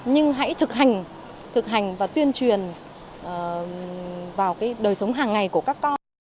nhưng hãy thực hành thực hành và tuyên truyền vào cái đời sống hàng ngày của các con